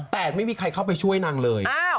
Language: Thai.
แต่ไม่มีใครเข้าไปช่วยนางเลย